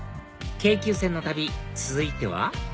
京急線の旅続いては？